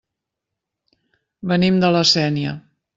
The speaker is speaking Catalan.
Venim de La Sénia.